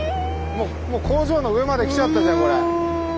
もう工場の上まで来ちゃったじゃんこれ。